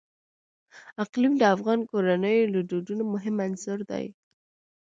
اقلیم د افغان کورنیو د دودونو مهم عنصر دی.